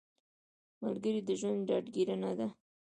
ملګری د ژوند ډاډګیرنه ده